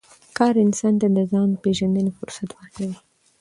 کار انسان ته د ځان د پېژندنې فرصت ورکوي